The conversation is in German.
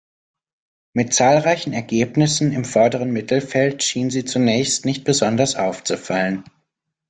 Mit zahlreichen Ergebnissen im vorderen Mittelfeld schien sie zunächst nicht besonders aufzufallen.